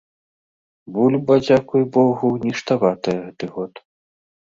Бульба, дзякуй богу, ніштаватая гэты год.